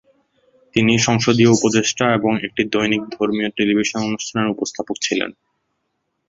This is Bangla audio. তিনি সংসদীয় উপদেষ্টা এবং একটি দৈনিক ধর্মীয় টেলিভিশন অনুষ্ঠানের উপস্থাপক ছিলেন।